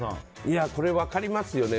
これ、分かりますよね。